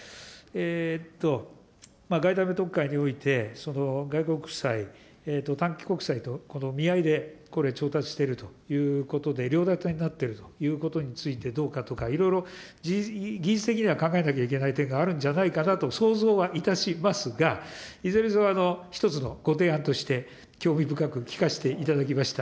外為特会において、外国債、短期国債とみあいでこれ、調達しているということで、両建てになっているということについてどうかとか、いろいろ技術的には考えなきゃいけない点があるんじゃないかなと、想像はいたしますが、いずれにせよ、一つのご提案として、興味深く聞かせていただきました。